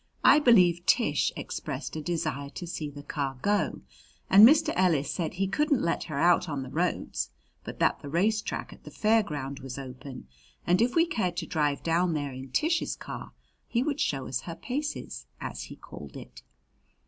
I believe Tish expressed a desire to see the car go, and Mr. Ellis said he couldn't let her out on the roads, but that the race track at the fair ground was open and if we cared to drive down there in Tish's car he would show us her paces, as he called it.